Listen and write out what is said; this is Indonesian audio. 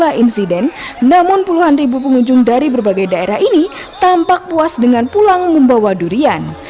setelah insiden namun puluhan ribu pengunjung dari berbagai daerah ini tampak puas dengan pulang membawa durian